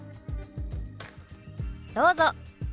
どうぞ！